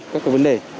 các vấn đề